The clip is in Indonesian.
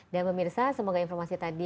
pemirsa semoga informasi tadi